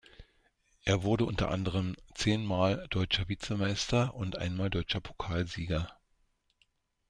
Er wurde unter anderem zehnmal Deutscher Vizemeister und einmal Deutscher Pokalsieger.